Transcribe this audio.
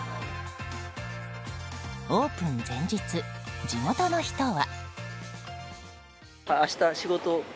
オープン前日、地元の人は。